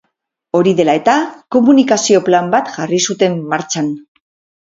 Hori dela eta, komunikazio plan bat jarri zuten martxan.